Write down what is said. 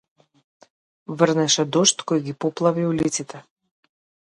Врнеше дожд кој ги поплави улиците.